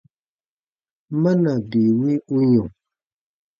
Mana bii wi u yɔ̃ ?